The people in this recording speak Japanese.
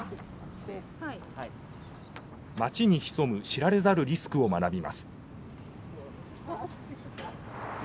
町に潜む知られざるリスクを学びます。